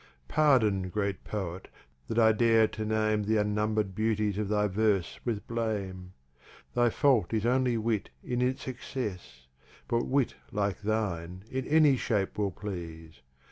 Pardon, Great Poet, that I dare to name Th' unnumber'd Beauties of thy Verse with blame; Thy fault is only Wit in its Excess, But Wit like thine in any shape will please.